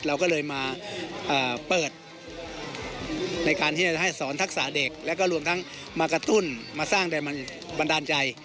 เราก็เลยมาเปิดในการที่จะให้สอนทักษะเด็กแล้วก็รวมทั้งมากระตุ้นมาสร้างแรงบันดาลใจ